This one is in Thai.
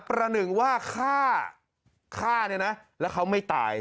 ประหนึ่งว่าฆ่าฆ่าเนี่ยนะแล้วเขาไม่ตาย